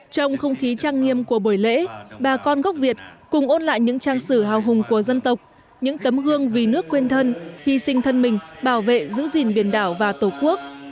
trong không khí trang nghiêm của buổi lễ bà con gốc việt cùng ôn lại những trang sử hào hùng của dân tộc những tấm gương vì nước quên thân hy sinh thân mình bảo vệ giữ gìn biển đảo và tổ quốc